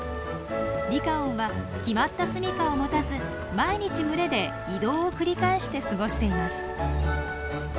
リカオンは決まったすみかを持たず毎日群れで移動を繰り返して過ごしています。